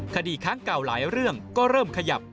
คดีครั้งเก่าหลายเรื่องก็เริ่มขยับ